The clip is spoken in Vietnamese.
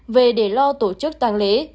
về để lo tổ chức tàng lễ